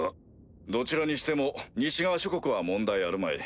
どちらにしても西側諸国は問題あるまい。